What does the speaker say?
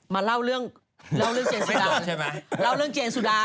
มาเล่าเรื่องเจนสุดาเล่าเรื่องเจนสุดา